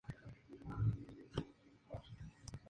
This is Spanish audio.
Eduardo Morales Heras.